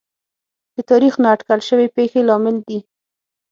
د تاریخ نااټکل شوې پېښې لامل دي.